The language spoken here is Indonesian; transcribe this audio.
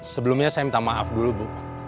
sebelumnya saya minta maaf dulu bu